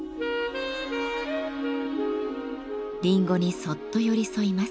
リンゴにそっと寄り添います。